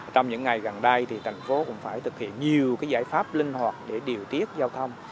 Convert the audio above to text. trong những ngày gần đây thì thành phố cũng phải thực hiện nhiều giải pháp linh hoạt để điều tiết giao thông